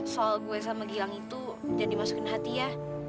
soal gue sama giang itu jangan dimasukin hati ya